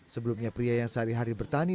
sebelumnya pria yang sehari hari bertani